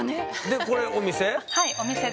でこれお店？